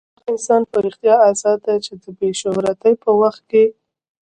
هغه انسان په رښتیا ازاد دی چې د بې شهرتۍ په وخت کې.